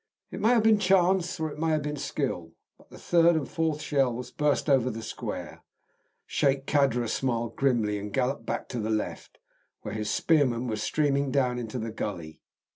It may have been chance, or it may have been skill, but the third and fourth shells burst over the square. Sheik Kadra smiled grimly and galloped back to the left, where his spearmen were streaming down into the gully.